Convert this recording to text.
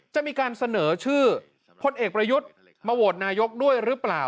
จะมีการเสนอชื่อพลเอกประยุทธ์มาโหวตนายกด้วยหรือเปล่า